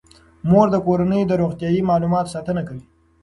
مور د کورنۍ د روغتیايي معلوماتو ساتنه کوي.